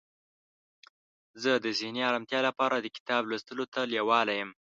زه د ذهني آرامتیا لپاره د کتاب لوستلو ته لیواله یم.